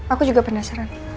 aku juga penasaran